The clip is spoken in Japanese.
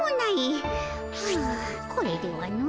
はあこれではの。